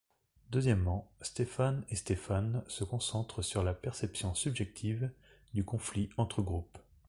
Deuxièmement, Stephan et Stephan se concentrent sur la perception subjective du conflit entre groupes.